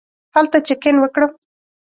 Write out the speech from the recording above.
هلته چېک اېن وکړم.